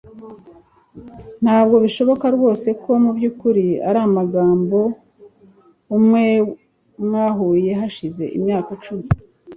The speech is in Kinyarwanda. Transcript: ntabwo bishoboka rwose ko mubyukuri ari umugabo umwe mwahuye hashize imyaka icumi